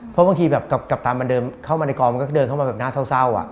คลิปเติมกลับเก็บตาเข้ามาในกรมเข้าไปหน้าเศร้า